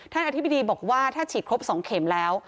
อธิบดีบอกว่าถ้าฉีดครบ๒เข็มแล้ว